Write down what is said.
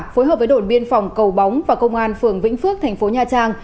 phối hợp với đồn biên phòng cầu bóng và công an phường vĩnh phước thành phố nha trang